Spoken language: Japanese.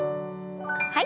はい。